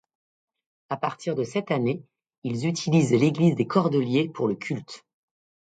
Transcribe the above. À partir de cette année, ils utilisent l’église des cordeliers pour le culte.